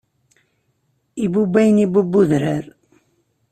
Ibubb ayen ibubb udrar.